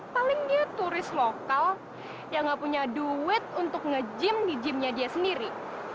paling dia turis lokal yang gak punya duit untuk nge gym di gymnya dia sendiri